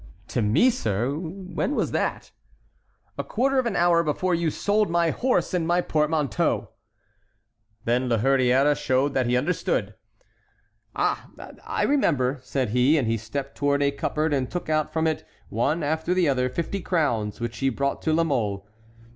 "To me, sir? When was that?" "A quarter of an hour before you sold my horse and my portmanteau." La Hurière showed that he understood. "Ah! I remember," said he; and he stepped toward a cupboard and took out from it, one after the other, fifty crowns, which he brought to La Mole.